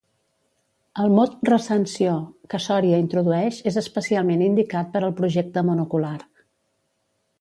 El mot "recensió" que Sòria introdueix és especialment indicat per al projecte monocular.